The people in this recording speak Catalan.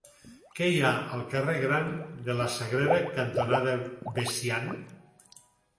Què hi ha al carrer Gran de la Sagrera cantonada Veciana?